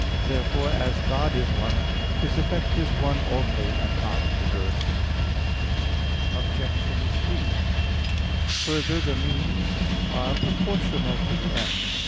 Therefore, as God is one, His effect is one only, and not diverse. Obj. 3: Further, the means are proportional to the end.